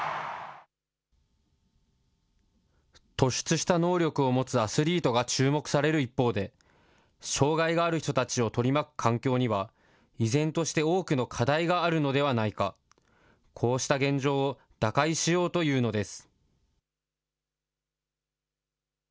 突出した能力を持つアスリートが注目される一方で、障害がある人たちを取り巻く環境には依然として多くの課題があるのでないか、こうした現状を打開しようというのです。